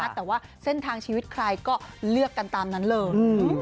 แต่ว่าเส้นทางชีวิตใครก็เลือกกันตามนั้นเลย